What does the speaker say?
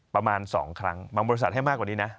ประมาณ๒ครั้งบางบริษัทให้มากกว่านี้นะ